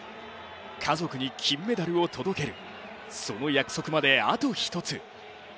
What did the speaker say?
家族に金メダルを届けるその約束まで、あと１つ。